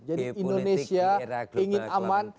jadi indonesia ingin aman